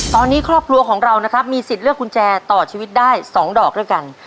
สอนี้คอลัพพุทธองค์ของเรามีสิทธิ์เลือกกุญแจ๒ดอกด้วยนะครับ